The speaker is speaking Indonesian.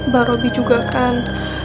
bang robi juga kan